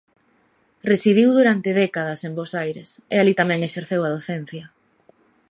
Residiu durante décadas en Bos Aires, e alí tamén exerceu a docencia.